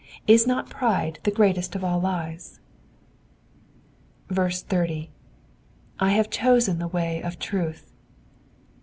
Is not pride the greatest of all lies ? 30. / have chosen the way of truth.''